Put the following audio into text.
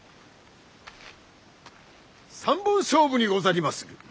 三本勝負にござりまする。